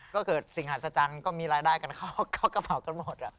ก็เกิดสิ่งหัศจรรย์ก็มีรายได้กันเข้ากระเป๋ากันหมด